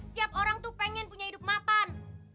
setiap orang tuh pengen punya hidup mapan